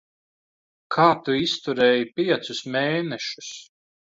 Kā tu izturēji piecus mēnešus?